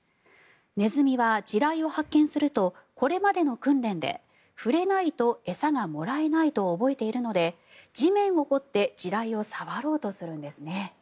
ネズミは地雷を発見するとこれまでの訓練で触れないと餌がもらえないと覚えているので地面を掘って地雷を触ろうとするんですね。